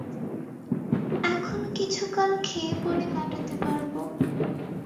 এখনো কিছুকাল খেয়ে পরে কাটাতে পারব।